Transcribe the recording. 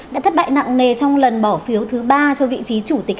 đã thất bại nặng nề trong lần bỏ phiếu thứ ba cho vị trí chủ tịch